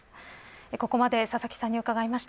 ここまで佐々木さんに伺いました。